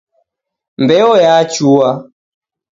Mbeo yachua